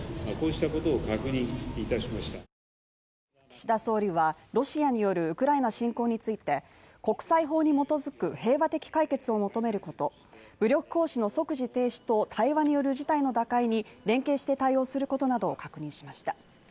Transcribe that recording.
岸田総理はロシアによるウクライナ侵攻について国際法に基づく平和的解決を求めること、武力行使の即時停止と対話による事態の打開に連携して対応することなどを確認しました。